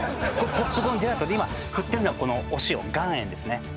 ポップコーンジェラートで今振ってるのはこのお塩岩塩ですね